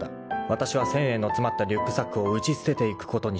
［わたしは千円の詰まったリュックサックを打ち捨てていくことにした］